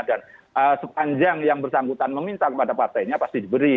dan sepanjang yang bersangkutan meminta kepada partainya pasti diberi